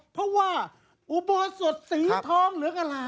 เพราะว่าอุบัติสดสีทองเหลืองอร่าม